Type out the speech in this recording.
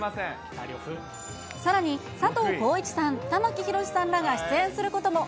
さらに佐藤浩市さん、玉木宏さんらが出演することも、